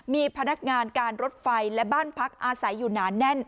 มีพนักงานการรถไฟและบ้านพักอาศัยอยู่หนาแน่น